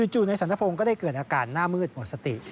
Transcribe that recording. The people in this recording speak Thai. จู่นายสันทพงศ์ก็ได้เกิดอาการหน้ามืดหมดสติ